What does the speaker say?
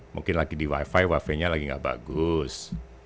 mungkin lagi di wifi wifi nya lagi gak bagus